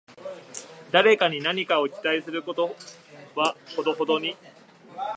誰かに何かを期待することはほどほどに